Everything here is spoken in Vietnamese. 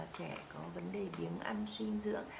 trẻ có vấn đề biếng ăn suy dưỡng